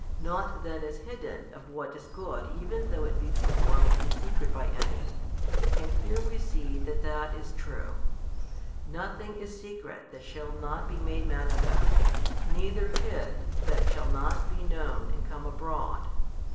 Nought then is hidden of what is good even though it be performed in secret by any, and here we see that that is true, Nothing is secret that shall not be made manifest, neither hid that shall not be known and come abroad.